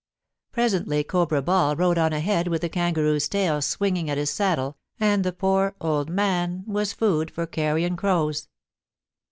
Presently Cobra Ball rode on ahead with the kangaroo's tail swinging at his saddle, and the poor ^ old man ' was food for carrion crows.